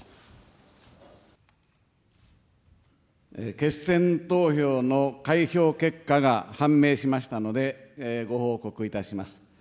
決選投票の開票結果が判明しましたので、ご報告いたします。